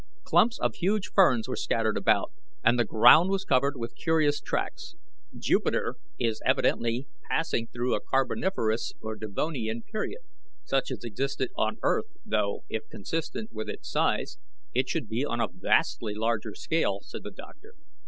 Clumps of huge ferns were scattered about, and the ground was covered with curious tracks. "Jupiter is evidently passing through a Carboniferous or Devonian period such as existed on earth, though, if consistent with its size, it should be on a vastly larger scale," said the doctor.